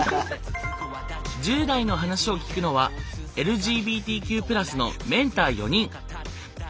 １０代の話を聞くのはＬＧＢＴＱ＋のメンター４人。